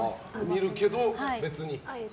見るけど、別に。